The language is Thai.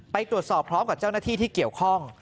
ไปตรวจสอบพร้อมกับเจ้าหน้าที่ที่เกี่ยวข้อง